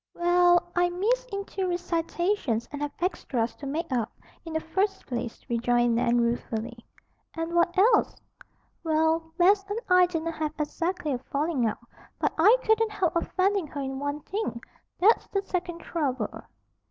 "Well, I missed in two recitations and have extras to make up, in the first place," rejoined Nan ruefully. "And what else?" "Well, Bess and I didn't have exactly a falling out; but I couldn't help offending her in one thing. That's the second trouble."